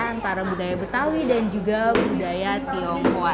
antara budaya betawi dan juga budaya tionghoa